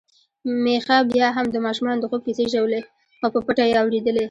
میښه بيا هم د ماشومانو د خوب کیسې ژولي، خو په پټه يې اوريدلې.